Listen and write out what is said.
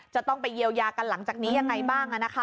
จะต้องไปเยียวยากันหลังจากนี้ยังไงบ้าง